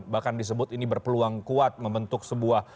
bahkan disebut ini berpeluang kuat membentuk sebuah